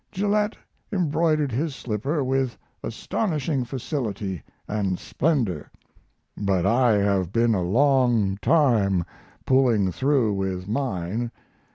Gillette embroidered his slipper with astonishing facility and splendor, but I have been a long time pulling through with mine.